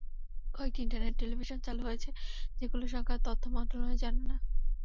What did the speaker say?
কয়েকটি internet television চালু হয়েছে, যেগুলোর সংখ্যা তথ্য মন্ত্রণালয়ও জানে না।